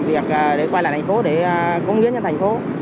việc để quay lại thành phố để công hiến cho thành phố